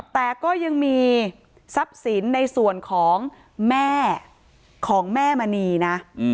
แต่ก็ยังมีทรัพย์สินในส่วนของแม่ของแม่มณีนะ